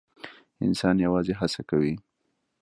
انسان یوازې هڅه کوي